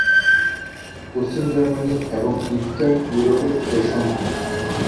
পশ্চিম Germany এবং Eastern Europe এর দেশসমূহ।